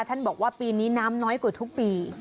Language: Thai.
ท่านบอกว่าปีนี้น้ำน้อยกว่าทุกปี